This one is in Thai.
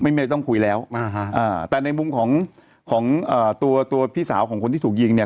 ไม่ได้ต้องคุยแล้วอ่าฮะอ่าแต่ในมุมของของเอ่อตัวตัวพี่สาวของคนที่ถูกยิงเนี่ย